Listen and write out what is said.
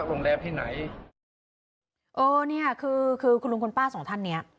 โอ้อันนี้หาคือคุณลุงคุณป้าสองท่านเนี้ย